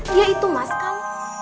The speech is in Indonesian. dia itu mas kan